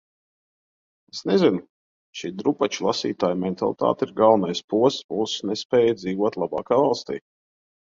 Es nezinu... šī drupaču lasītāju mentalitāte ir galvenais posts mūsu nespējai dzīvot labākā valstī.